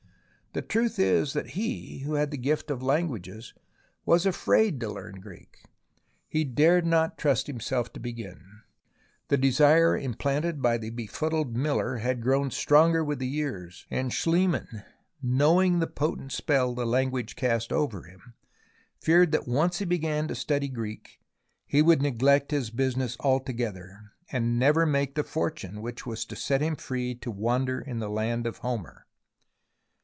The truth is that he, who had the gift of languages, was afraid to learn Greek. He dared not trust himself to begin. The desire implanted by the befuddled miller had grown stronger with the years, and Schliemann, knowing the potent spell the language cast over him, feared that once he began to study Greek, he would neglect his business altogether, and never make the fortune which was to set him free to wander in the land of Homer.